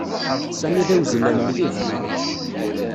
Sami d awezzlan mliḥ.